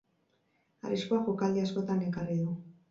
Arriskua jokaldi askotan ekarri du.